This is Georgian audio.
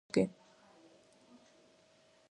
რაღაც არაა სასიამოვნო საზოგადოებრივ აზრს წინ აღუდგე.